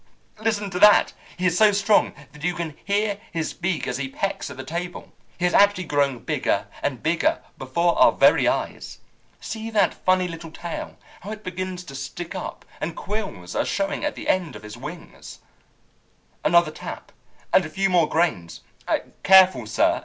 Listen to that! He is so strong that you can hear his beak as he pecks at the table. He is actually growing bigger and bigger before our very eyes! See that funny little tail, how it begins to stick up, and quills are showing at the end of his wings. "Another tap, and a few more grains. Careful, sir!